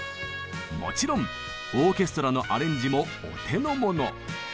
もちろんオーケストラのアレンジもお手の物。